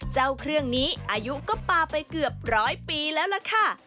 เจ้าเครื่องนี้อายุก็ปลาไปเกือบร้อยปีแล้วล่ะค่ะ